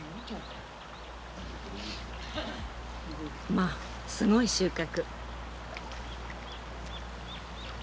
まあすごい収穫！